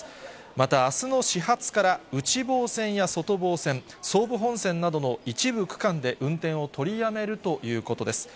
またあすの始発から内房線や外房線、総武本線などの一部区間で運転を取りやめるということです。